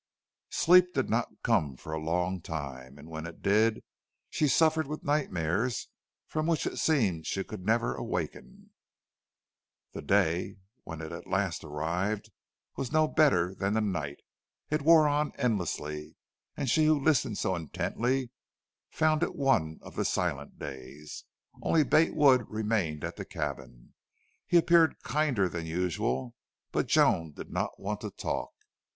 Sleep did not come for a long time. And when it did she suffered with nightmares from which it seemed she could never awaken. The day, when at last it arrived, was no better than the night. It wore on endlessly, and she who listened so intently found it one of the silent days. Only Bate Wood remained at the cabin. He appeared kinder than usual, but Joan did not want to talk.